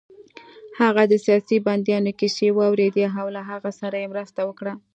هغه د سیاسي بندیانو کیسې واورېدې او له هغوی سره يې مرسته وکړه